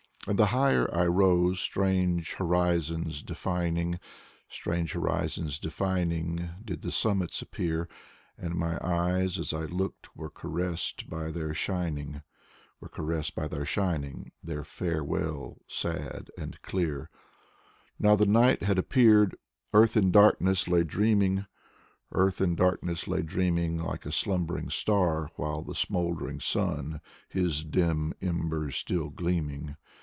And the higher I rose, strange horizons defining, Strange horizons defining, did the summits appear ; And my eyes as I looked were caressed by their shining. Were caressed by their shining, their farewell, sad and dear. Now the night had appeared; Earth in darkness lay dreaming, Earth in darkness lay dreaming, like a slumbering star. While the smoldering sun, his dim embers still gleaming.